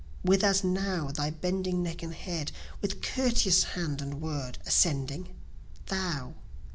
with as now thy bending neck and head, with courteous hand and word, ascending, Thou!